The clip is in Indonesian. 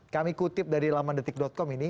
kami kutip dari laman detik com ini